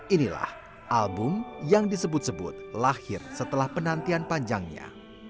inilah album yang disebut sebut lahir setelah penantian panjangnya